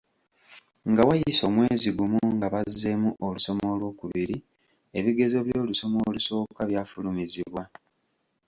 Nga wayise omwezi gumu nga bazzeemu olusoma olw’okubiri ebigezo by’olusoma olusooka byafulumizibwa.